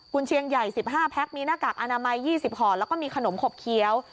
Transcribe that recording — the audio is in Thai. คุณเชียงใหญ่๑๕แพ็คมีหน้ากากอนามัย๒๐ห่อแล้วก็มีขนมขบเคี้ยว